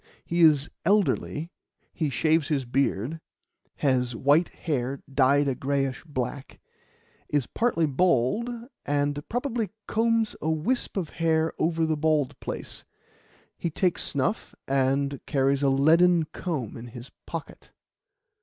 He is elderly, he shaves his beard, has white hair dyed a greyish black, is partly bald, and probably combs a wisp of hair over the bald place; he takes snuff, and carries a leaden comb in his pocket."